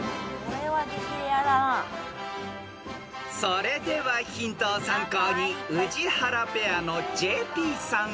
［それではヒントを参考に宇治原ペアのＪＰさん